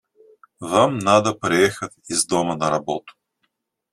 Вам надо проехать из дома на работу